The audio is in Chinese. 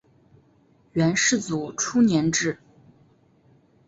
元世祖初年置。